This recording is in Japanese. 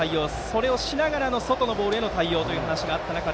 それをしながらの外のボールへの対応という話がありました。